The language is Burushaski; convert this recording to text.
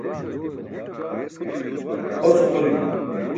Os uxolimi.